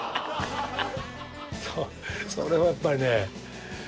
それはやっぱりね